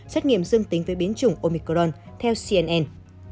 xét nghiệm dương tính với biến chủng omicron theo cnn